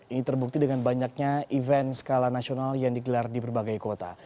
ini terbukti dengan banyaknya event skala nasional yang digelar di berbagai kota